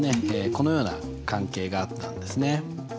このような関係があったんですね。